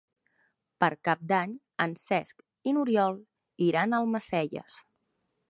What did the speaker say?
Per Cap d'Any en Cesc i n'Oriol iran a Almacelles.